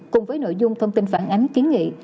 cùng với nội dung thông tin phản ánh kiến nghị